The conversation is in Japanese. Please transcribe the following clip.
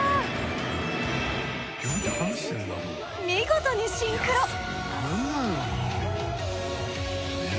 見事にシンクロ！